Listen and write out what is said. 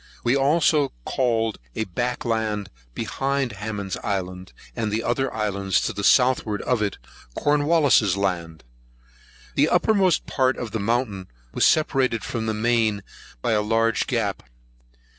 We also called a back land behind Hammond's Island, and the other islands to the southward of it, Cornwallis's Land. The uppermost part of the mountain was separated from the main by a large gap.